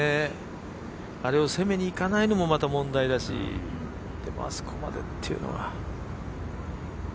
あれを攻めにいかないのもまた問題だしでも、あそこまでっていうのは。